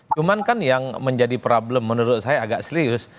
cuman kan yang menjadi problem menurut saya agak serius